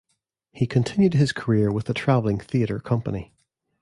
He continued his career with a traveling theater company.